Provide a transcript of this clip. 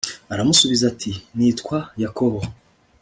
aramusubiza ati nitwa yakobo